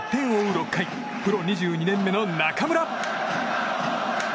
６回プロ２２年目の中村。